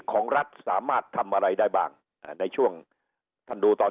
ของรัฐสามารถทำอะไรได้บ้างในช่วงท่านดูตอน